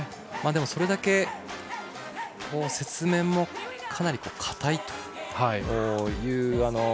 でも、それだけ雪面もかなりかたいという。